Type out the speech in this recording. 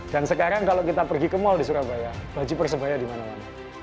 dan sekarang kalau kita pergi ke mall di surabaya baju persebaya dimana mana